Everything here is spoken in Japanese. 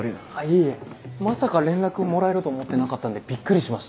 いえいえまさか連絡もらえると思ってなかったんでびっくりしました。